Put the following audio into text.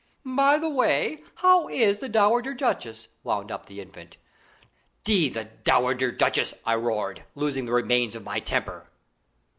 "By the way, how is the dowager duchess?" wound up the Infant. "D the dowager duchess!" I roared, losing the remains of my temper.